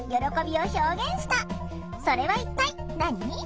それは一体何？